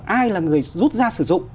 ai là người rút ra sử dụng